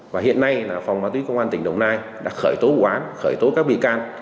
và hiện nay là phòng má túy công an tỉnh đồng nai đã khởi tố bụi can